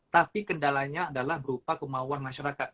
tapi kendalanya adalah berupa kemauan masyarakat